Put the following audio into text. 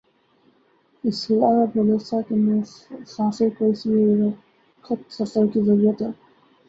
اصلاح مدرسہ کے مسافر کو اسی رخت سفر کی ضرورت ہے۔